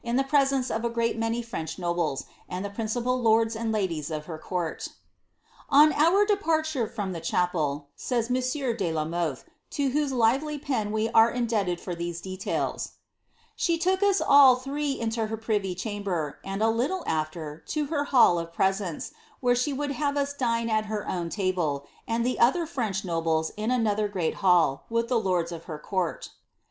ice of a great many French nobles, and the princi|>al lords huu iauii = uf her court.' " On our departure from the chapel," says monsieur de la Mothe, to whose lively pen we are indebted for these details, " she took us all three into her privy chamber, and, a little after, to her hall of presence, where she would have us dine at her own table, and the other French nobles in another great hall, with ilie lords of her court."